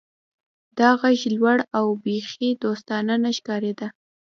دا غږ لوړ و او بیخي دوستانه نه ښکاریده